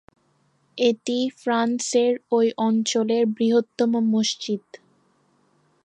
এটি ফ্রান্সের ঐ অঞ্চলের বৃহত্তম মসজিদ।